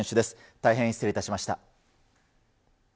大変失礼いたしました。